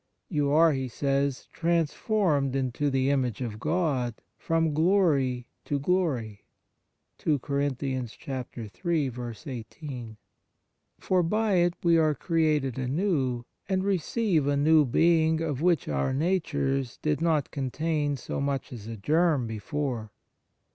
You are," he says, " transformed into the image of God, from glory to glory "; L for by it we are created anew, and receive a new being of which our natures did not contain so much as a germ before.